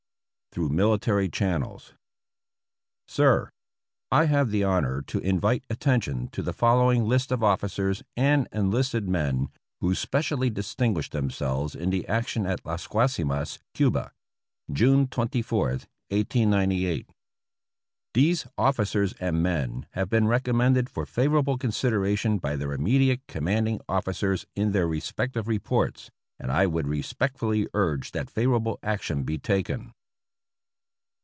(Through military channels) Sir : I have the honor to invite attention to the follow ing list of officers and enlisted men who specially distin guished themselves in the action at Las Guasimas, Cuba, June 24, 1898. These officers and men have been recommended for 299 APPENDIX E favorable consideration by their immediate commanding officers in their respective reports, and I would respectfully urge that favorable action be taken.